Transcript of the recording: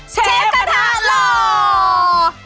เชฟกระทะหล่อ